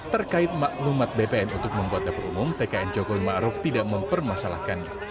terkait maklumat bpn untuk membuat dapur umum tkn jokowi ma'ruf tidak mempermasalahkannya